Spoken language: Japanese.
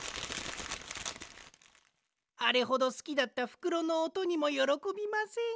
あれほどすきだったふくろのおとにもよろこびません。